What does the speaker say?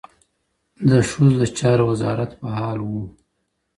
د ښځو د چارو وزارت فعال و.